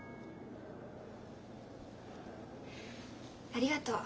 ありがとう。